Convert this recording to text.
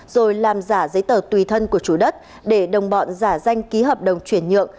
rồi làm giả giấy tờ tùy thân của chủ đất để đồng bọn giả danh ký hợp đồng chuyển nhượng